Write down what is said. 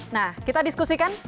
nah kita diskusikan